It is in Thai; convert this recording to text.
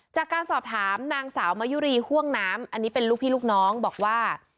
จากการสอบถามนางสาวมะยุรีห่วงน้ำอันนี้เป็นลูกพี่ลูกน้องบอกว่า